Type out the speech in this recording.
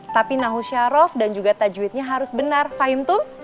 tapi nahusya roh dan juga tajwidnya harus benar fahim tum